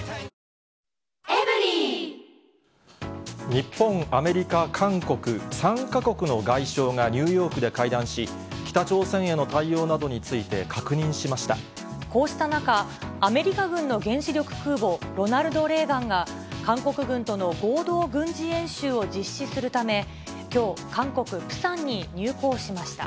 日本、アメリカ、韓国、３か国の外相がニューヨークで会談し、北朝鮮への対応などについこうした中、アメリカ軍の原子力空母ロナルド・レーガンが、韓国軍との合同軍事演習を実施するため、きょう、韓国・プサンに入港しました。